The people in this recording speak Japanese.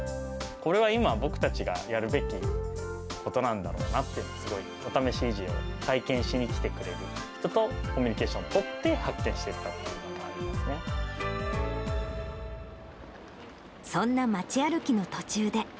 これは今、僕たちがやるべきことなんだろうなっていうのをすごい、お試し移住を体験しに来てくれる人とコミュニケーションを取って、そんな町歩きの途中で。